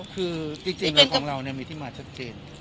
คือจริงเลยของเรามีที่มาชัดเจน